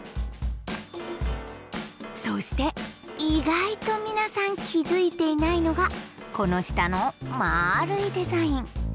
そして意外と皆さん気付いていないのがこの下の円いデザイン。